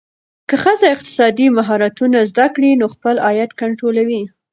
که ښځه اقتصادي مهارتونه زده کړي، نو خپل عاید کنټرولوي.